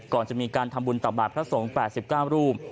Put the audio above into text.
ก่อนจะมีการทำบุญตักบาทพระสงฆ์๘๙รูป